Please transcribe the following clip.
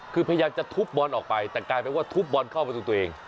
คือพยายามจะทุบบอลออกไปแต่กลายเป็นว่าทุบบอลเข้าประตูตัวเอง